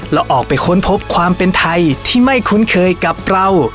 แล้วออกไปค้นพบความเป็นไทยที่ไม่คุ้นเคยกับเรา